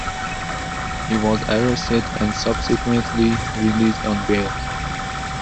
He was arrested and subsequently released on bail.